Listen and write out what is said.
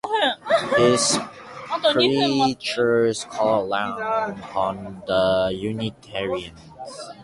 His preachers called aloud on the unitarians.